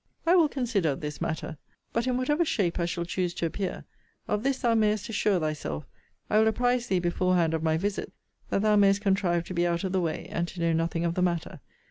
I will consider of this matter. But, in whatever shape I shall choose to appear, of this thou mayest assure thyself, I will apprize thee beforehand of my visit, that thou mayst contrive to be out of the way, and to know nothing of the matter.